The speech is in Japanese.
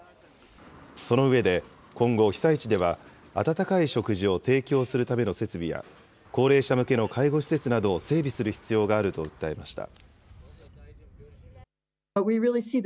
その上で今後、被災地では温かい食事を提供するための設備や、高齢者向けの介護施設などを整備する必要があると訴えました。